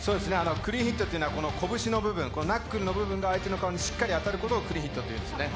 クリーンヒットというのは拳の部分、ナックルの部分が相手の顔にしっかり当たることをクリーンヒットと言うんですね。